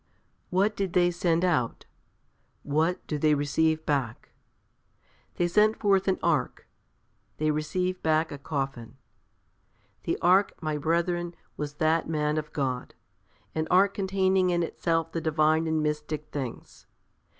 What did they send out? What do they receive back? They sent forth an ark, they receive back a coffin. The ark, my brethren, was that man of God; an ark containing in itself the Divine and mystic things.